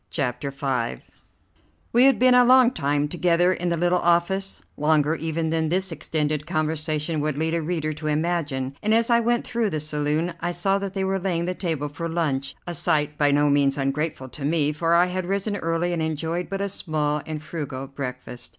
CHAPTER V We had been a long time together in the little office, longer even than this extended conversation would lead a reader to imagine, and as I went through the saloon I saw that they were laying the table for lunch, a sight by no means ungrateful to me, for I had risen early and enjoyed but a small and frugal breakfast.